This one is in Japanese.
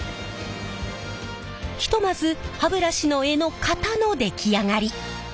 ひとまず歯ブラシの柄の型の出来上がり。